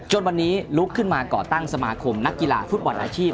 วันนี้ลุกขึ้นมาก่อตั้งสมาคมนักกีฬาฟุตบอลอาชีพ